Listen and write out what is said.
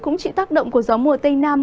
cũng chịu tác động của gió mùa tây nam